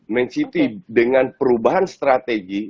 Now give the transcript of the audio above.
man city dengan perubahan strategi